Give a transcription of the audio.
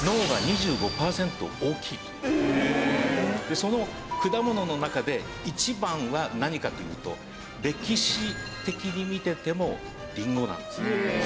その果物の中で一番は何かというと歴史的に見ててもりんごなんです。